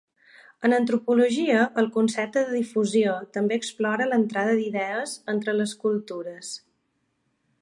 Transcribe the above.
En antropologia, el concepte de difusió també explora l'entrada d'idees entre les cultures.